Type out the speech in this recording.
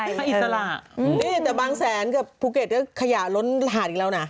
นี่แหละบ้างแสนปูเกรดก็ขยาล้นหาดอีกแล้วนะ